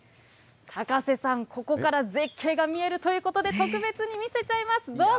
高瀬さん、ここから絶景が見えるということで、特別に見せちゃいます。